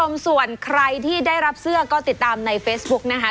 คุณผู้ชมส่วนใครที่ได้รับเสื้อก็ติดตามในเฟซบุ๊กนะคะ